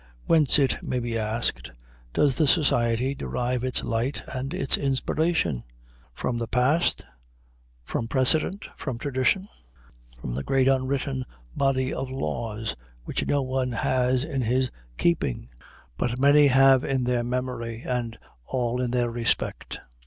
Whence, it may be asked, does the society derive its light and its inspiration? From the past, from precedent, from tradition from the great unwritten body of laws which no one has in his keeping but many have in their memory, and all in their respect.